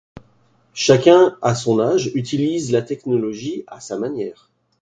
Chacun, à son âge, utilise la technologie à sa manière.